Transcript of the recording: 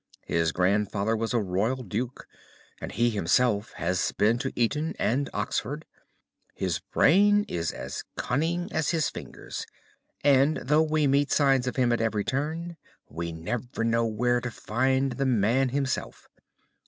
His grandfather was a royal duke, and he himself has been to Eton and Oxford. His brain is as cunning as his fingers, and though we meet signs of him at every turn, we never know where to find the man himself.